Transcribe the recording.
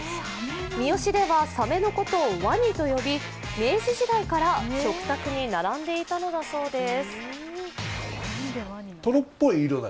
三次では、さめのことをワニと呼び、明治時代から食卓に並んでいたのだそうです。